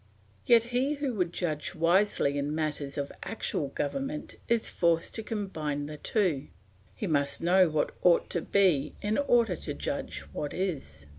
Yet he who would judge wisely in matters of actual government is forced to combine the two; he must know what ought to be in order to judge what is.